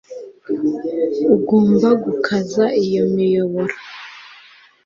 Ugomba gukaza iyo miyoboro